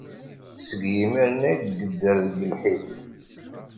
Seg yimir-nni ay yedder deg lḥif.